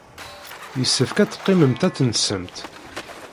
Yessefk ad teqqimemt ad tensemt.